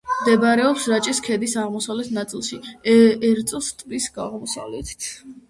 მდებარეობს რაჭის ქედის აღმოსავლეთ ნაწილში, ერწოს ტბის აღმოსავლეთით.